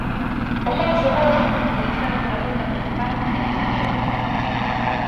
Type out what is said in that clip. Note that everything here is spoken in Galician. O monxe! O monxe! —E liscaron pola porta principal, en dirección ao bosque.